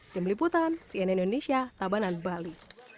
jembeliputan sien indonesia tabanan bali